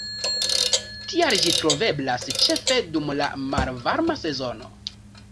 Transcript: Tial ĝi troveblas ĉefe dum la malvarma sezono.